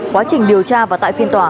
quá trình điều tra và tại phiên tòa